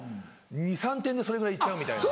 ２３点でそれぐらい行っちゃうみたいな。